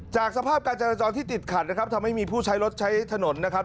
สภาพการจราจรที่ติดขัดนะครับทำให้มีผู้ใช้รถใช้ถนนนะครับ